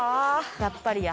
やっぱりや。